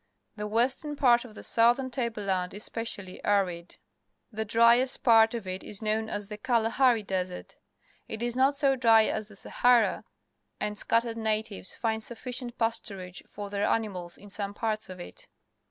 The western part of the southern table land is specially arid. The driest part of it is known as the KjdahanLMsssii It is not so dry as the Sahara, and scattered nati^'es find sufficient pasturage for their animals in some parts of it.